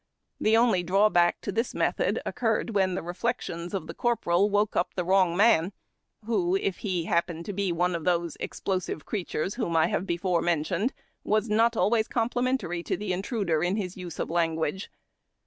The only drawback to this method occurred wlien tlie reflections of the corporal woke up the wrong man, who, if he happened to be one of those explosive creatures whom I have before mentioned, was not always complimentary to the intruder in his use of language.